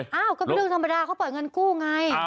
เอ้าก็เป็นเรื่องธรรมดาเขาปล่อยเงินกู้ไง